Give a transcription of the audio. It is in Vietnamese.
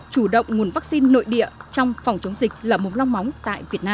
chủ động nguồn vaccine nội địa trong phòng chống dịch lở mồm long móng tại việt nam